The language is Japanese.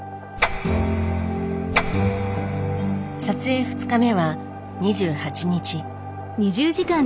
撮影２日目は２８日。